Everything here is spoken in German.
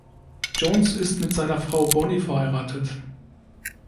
Jones ist mit seiner Frau Bonnie verheiratet.